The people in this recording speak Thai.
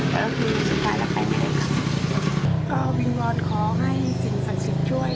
แล้วคือสุดท้ายน่าไปไม่ได้ครับก็บินบอลขอให้สิ่งศักดิ์ช่วย